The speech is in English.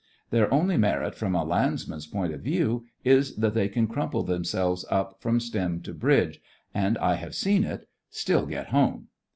Their only merit, from a landsman's point of view, is that they can crumple themselves up from stem to bridge and (I have seen it) still get home.